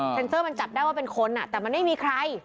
เซอร์มันจับได้ว่าเป็นคนแต่มันไม่มีใคร